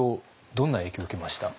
どんな影響を受けました？